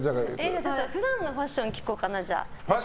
普段のファッションを聞こうかな。